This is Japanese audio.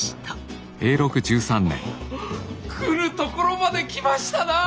来るところまで来ましたなあ！